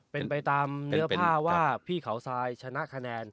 เป็นไปตามเนื้อผ้าว่าพี่เขาทรายชนะคะแนน